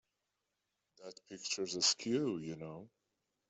That picture's askew, you know.